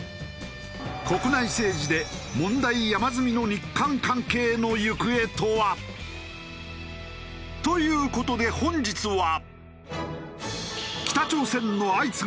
国内政治で問題山積みの日韓関係の行方とは？という事で本日は。